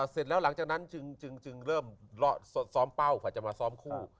เสร็จแล้วหลังจากนั้นจึงเริ่มซ้อมเป้ากว่าจะมาซ้อมคู่